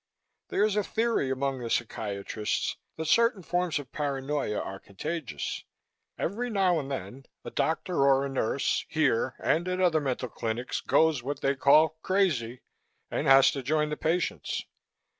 There's a theory among the psychiatrists that certain forms of paranoia are contagious. Every now and then a doctor or a nurse here and at other mental clinics goes what they call crazy and has to join the patients.